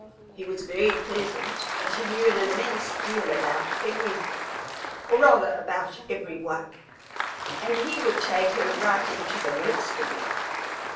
He was very pleasant, and he knew an immense deal about everything, or, rather, about every one, and he would take her right into the midst of life.